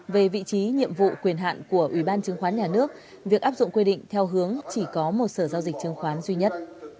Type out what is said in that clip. về vị trí nhiệm vụ quyền hạn của ủy ban chứng khoán nhà nước việc áp dụng quy định theo hướng chỉ có một sở giao dịch chứng khoán duy nhất